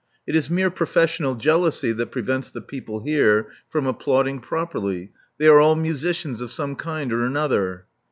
It is mere professional jealousy that prevents the people here from applauding properly. They are all musicians of some kind or another."